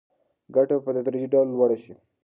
ګټه به په تدریجي ډول لوړه شي.